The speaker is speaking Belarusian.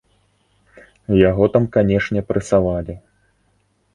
Яго там, канечне, прэсавалі.